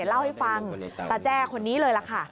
เล่าให้ฟังตาแจ้คนนี้เลยล่ะค่ะ